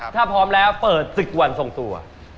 ถ้าพร้อมแล้วเปิดศึกวันทรงตัว